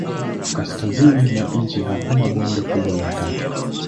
Kaskazini mwa nchi hakuna bonde kubwa la kati.